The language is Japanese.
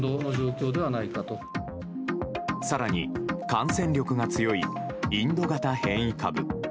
更に、感染力が強いインド型変異株。